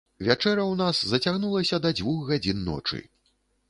Вячэра ў нас зацягнулася да дзвюх гадзін ночы.